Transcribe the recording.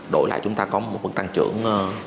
đổi lại chúng ta có một phần tăng trưởng